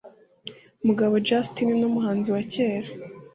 Mugabo Justin numuhanzi wa cyera